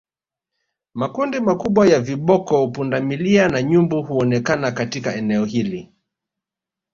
Makundi makubwa ya viboko pundamilia na nyumbu huonekana katika eneo hili